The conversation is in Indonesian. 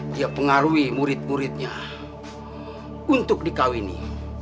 dia pengaruhi murid muridnya untuk dikawini